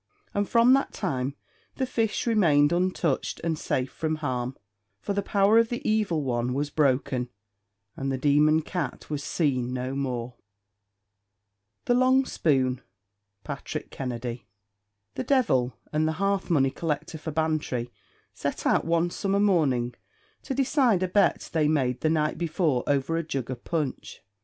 And from that time the fish remained untouched and safe from harm, for the power of the evil one was broken, and the demon cat was seen no more. [Footnote 56: Ancient Legends of Ireland.] THE LONG SPOON. PATRICK KENNEDY. The devil and the hearth money collector for Bantry set out one summer morning to decide a bet they made the night before over a jug of punch.